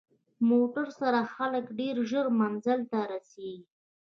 موټر سره خلک ډېر ژر منزل ته رسېږي.